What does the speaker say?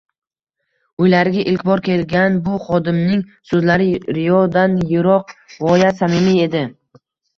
Uylariga ilk bor kelgan bu xonimning so'zlari riyodan yiroq, g'oyat samimiy edi.